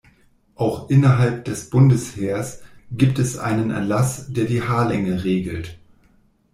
Auch innerhalb des Bundesheers gibt es einen Erlass, der die Haarlänge regelt.